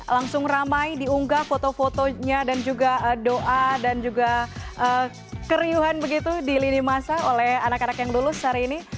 langsung ramai diunggah foto fotonya dan juga doa dan juga keriuhan begitu di lini masa oleh anak anak yang lulus hari ini